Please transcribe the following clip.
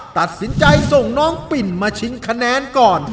ตัดสินใจส่งน้องปิ่นมาชิงคะแนนก่อน